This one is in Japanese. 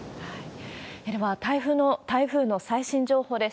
では、台風の最新情報です。